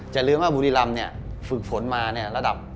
แต่รึมว่าบุริลัมน์ฝึกฝนมาระดับ